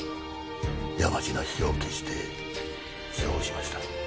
山路の火を消して通報しました。